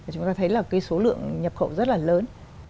chúng ta thấy là cái số lượng nhập khẩu rất là lớn